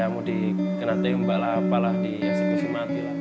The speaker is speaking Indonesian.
mesti kena tembak lah apalah di eksekusi mati lah